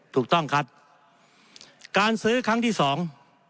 ถูกต้องครับการซื้อครั้งที่สอง